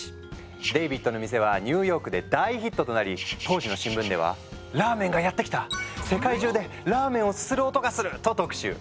デイビッドの店はニューヨークで大ヒットとなり当時の新聞では「ラーメンがやって来た！世界中でラーメンをすする音がする」と特集。